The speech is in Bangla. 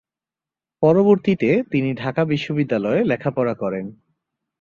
পরবর্তীতে তিনি ঢাকা বিশ্ববিদ্যালয়ে লেখাপড়া করেন।